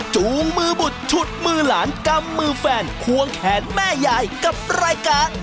จูงมือบุตรฉุดมือหลานกำมือแฟนควงแขนแม่ยายกับรายการ